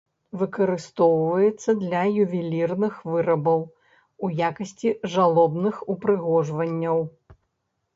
Выкарыстоўваецца для ювелірных вырабаў, у якасці жалобных упрыгожванняў.